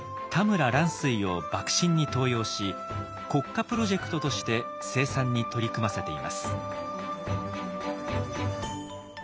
田村藍水を幕臣に登用し国家プロジェクトとして生産に取り組ませています。